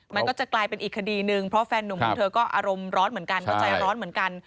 มันก็จะกลายเป็นอีกคดีนึงเพราะแฟนหนุ่มของเธอก็อารมณ์ร้อนเหมือนกัน